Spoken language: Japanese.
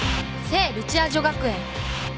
聖ルチア女学園